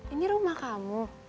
ini rumah kamu